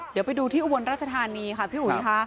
เดี๋ยวไปดูที่อุบลราชธานีค่ะพี่อุ๋ยค่ะ